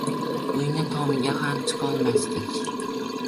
Uyni tomiga ham chiqolmasdik.